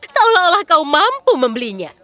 seolah olah kau mampu membelinya